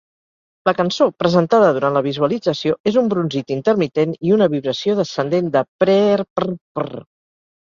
La cançó, presentada durant la visualització, és un brunzit intermitent i una vibració descendent de "preer-prr-prr".